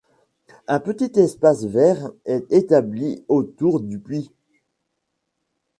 Un petit espace vert est établi autour du puits.